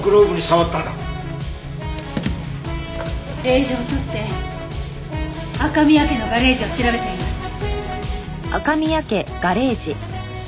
令状を取って赤宮家のガレージを調べてみます。